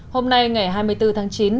hôm nay ngày hai mươi bốn tháng chín